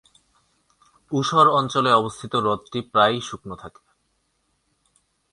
ঊষর অঞ্চলে অবস্থিত হ্রদটি প্রায়ই শুকনো থাকে।